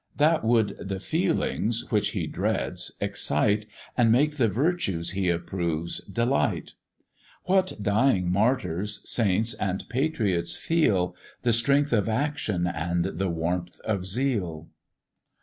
That would the feelings, which he dreads, excite, And make the virtues he approves delight; What dying martyrs, saints, and patriots feel, The strength of action and the warmth of zeal.